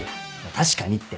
確かにって。